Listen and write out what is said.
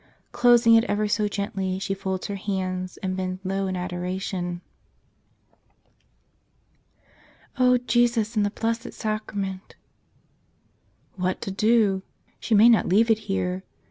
Closing it ever so gently, she folds her hands and bends low in adoration. "O Jesus in the Blessed Sacrament .. What to do? She may not leave it here.